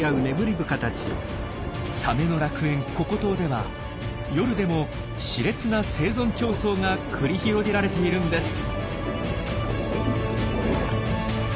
サメの楽園・ココ島では夜でもし烈な生存競争が繰り広げられているんです。